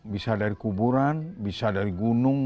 bisa dari kuburan bisa dari gunung